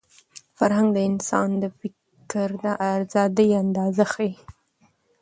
فرهنګ د انسان د فکر د ازادۍ اندازه ښيي.